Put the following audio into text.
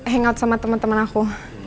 hangout sama teman teman aku